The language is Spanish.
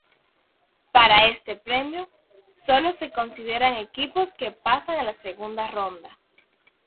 Para este premio, solo se consideran equipos que pasan a la segunda ronda.